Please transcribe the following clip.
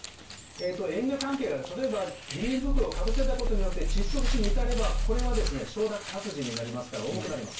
因果関係が例えば、ビニール袋をかぶせたことによって窒息死に至ればこれは承諾殺人になりますから重くなります。